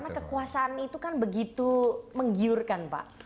karena kekuasaan itu kan begitu menggiurkan pak